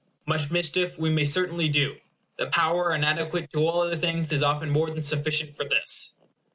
Much mischief we may certainly do. The power inadequate to all other things is often more than sufficient for this.